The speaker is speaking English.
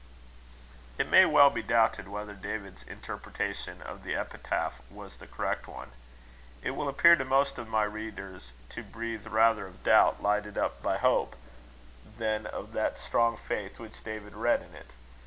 It may well be doubted whether David's interpretation of the epitaph was the correct one. It will appear to most of my readers to breathe rather of doubt lighted up by hope, than of that strong faith which David read in it.